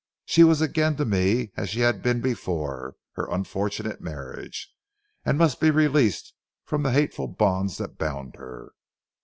She was again to me as she had been before her unfortunate marriage, and must be released from the hateful bonds that bound her.